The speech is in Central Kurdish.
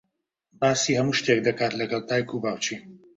باسی هەموو شتێک دەکات لەگەڵ دایک و باوکی.